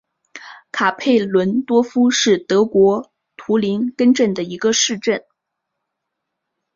卡佩伦多夫是德国图林根州的一个市镇。